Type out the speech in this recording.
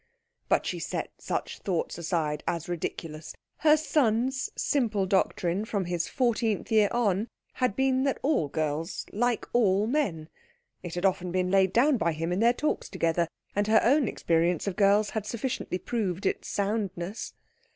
But she set such thoughts aside as ridiculous. Her son's simple doctrine from his fourteenth year on had been that all girls like all men. It had often been laid down by him in their talks together, and her own experience of girls had sufficiently proved its soundness.